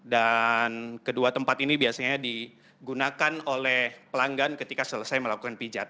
dan kedua tempat ini biasanya digunakan oleh pelanggan ketika selesai melakukan pijat